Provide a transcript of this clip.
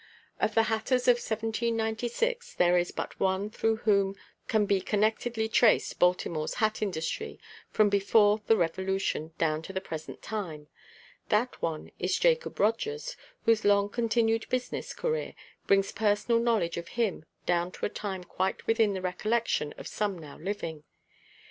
Of the hatters of 1796 there is but one through whom can be connectedly traced Baltimore's hat industry from before the Revolution down to the present time; that one is JACOB ROGERS, whose long continued business career brings personal knowledge of him down to a time quite within the recollection of some now living.